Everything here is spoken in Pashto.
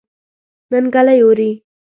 نن ګلۍ اوري